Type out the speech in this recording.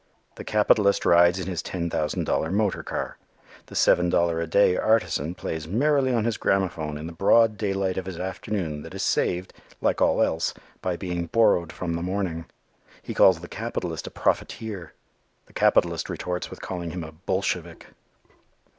The capitalist rides in his ten thousand dollar motor car. The seven dollar a day artisan plays merrily on his gramophone in the broad daylight of his afternoon that is saved, like all else, by being "borrowed" from the morning. He calls the capitalist a "profiteer." The capitalist retorts with calling him a "Bolshevik."